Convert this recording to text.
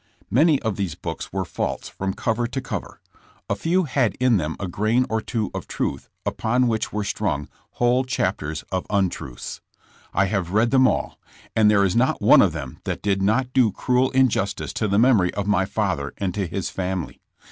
Many of these books were false from cover to cover. A few had in them a grain or two of truth upon which were strung whole chapters of untruths. I have read them all, and there is not one of them that did not d6 cruel injustice to the memory of my father and to his family.